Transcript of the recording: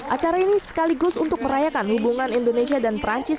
acara ini sekaligus untuk merayakan hubungan indonesia dan perancis